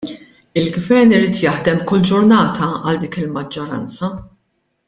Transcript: Il-Gvern irid jaħdem kull ġurnata għal dik il-maġġoranza.